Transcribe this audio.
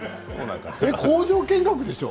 工場見学でしょう？